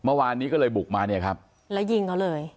เมื่อวานนี้ก็เลยบุกมาครับและยิงกันเลย